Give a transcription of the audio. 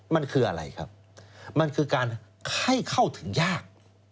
มันคืออะไรครับมันคือการให้เข้าถึงยาก